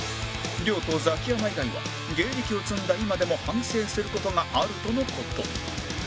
亮とザキヤマ以外は芸歴を積んだ今でも反省する事があるとの事